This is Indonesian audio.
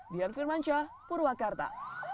dian firmanca purwakarta